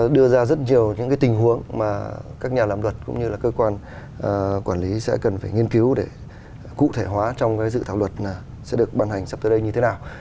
đưa ra rất nhiều những tình huống mà các nhà làm luật cũng như là cơ quan quản lý sẽ cần phải nghiên cứu để cụ thể hóa trong dự thảo luật sẽ được ban hành sắp tới đây như thế nào